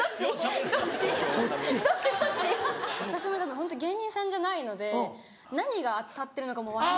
私も芸人さんじゃないので何が当たってるのかも。